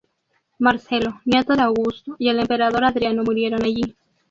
Marcelo, nieto de Augusto, y el emperador Adriano murieron allí.